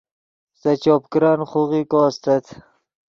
سے چوپ کرن خوغیکو استت